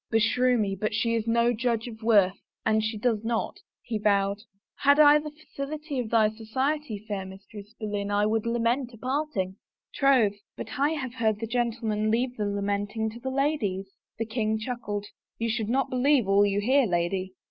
" Beshrew me, but she is no judge of worth an she does not," he vowed. " Had I the felicity of thy society, fair Mistress Boleyn, I would lament a parting! " "Troth, but I have heard the gentlemen leave the lamenting to the ladies I " The king chuckled. " You should not believe all you hear, lady."